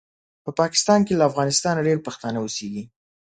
په پاکستان کې له افغانستانه ډېر پښتانه اوسیږي